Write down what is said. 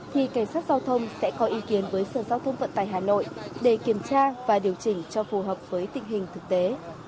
thì cảnh sát giao thông sẽ có ý kiến với sở giao thông vận tải hà nội để kiểm tra và điều chỉnh cho phù hợp với tình hình thực tế